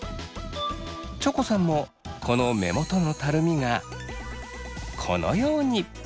チョコさんもこの目元のたるみがこのように！